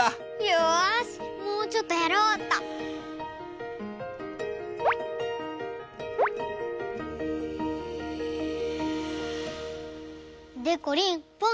よしもうちょっとやろうっと。でこりんポン。